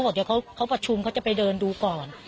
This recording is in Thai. บอกเดี๋ยวเขาประชุมเขาจะไปเดินดูก่อน